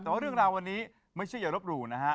แต่ว่าเรื่องราววันนี้ไม่ใช่อย่ารบหรูนะฮะ